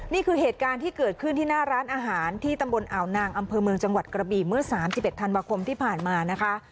นี่คือเหตุการณ์ที่เกิดขึ้นที่หน้าร้านอาหารที่ตำบลอ่าวนางอำเภอเมืองจังหวัดกระบี่เมื่อ๓๑ธันวาคมที่ผ่านมานะคะ